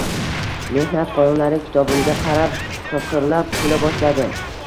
“Mehnat qonunlari” kitobimga qarab qiqirlab kula boshladi